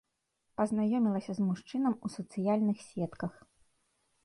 Пазнаёмілася з мужчынам у сацыяльных сетках.